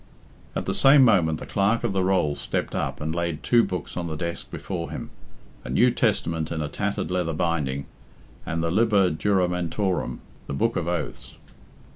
At the same moment the Clerk of the Rolls stepped up and laid two books on the desk before him a New Testament in a tattered leather binding, and the Liber Juramentorum, the Book of Oaths.